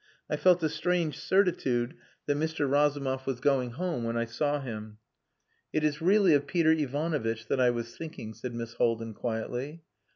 I felt a strange certitude that Mr. Razumov was going home when I saw him. "It is really of Peter Ivanovitch that I was thinking," said Miss Haldin quietly.